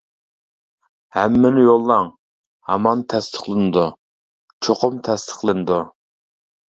ھەممىنى يوللاڭ، ھامان تەستىقلىنىدۇ، چوقۇم تەستىقلىنىدۇ.